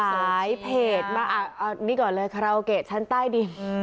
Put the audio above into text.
เพจมาเอานี่ก่อนเลยคาราโอเกะชั้นใต้ดิน